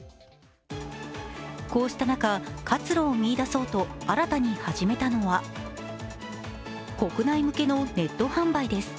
こうした中、活路を見いだそうと新たに始めたのは、国内向けのネット販売です。